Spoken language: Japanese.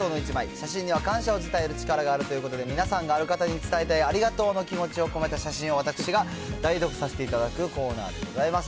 写真には感謝を伝える力があるということで、皆さんがある方に伝えたいありがとうの気持ちを込めた写真を、私が代読させていただくコーナーでございます。